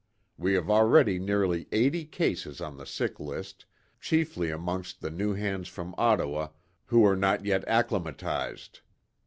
We have already nearly eighty cases on the sick list, chiefly amongst the new hands from Ottawa who are not yet acclimatized.